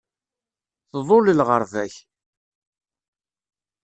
Tḍul lɣerba-k.